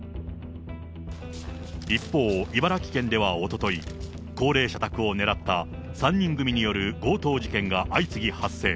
一方、茨城県ではおととい、高齢者宅を狙った３人組による強盗事件が相次ぎ発生。